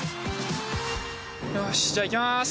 よしじゃあ行きます